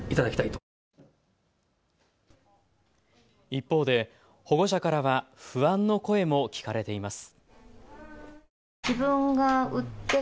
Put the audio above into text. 一方で保護者からは不安の声も聞かれています。